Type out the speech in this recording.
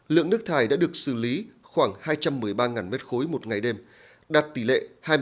lượng nước thải đã được xử lý khoảng hai trăm một mươi ba m ba một ngày đêm đạt tỷ lệ hai mươi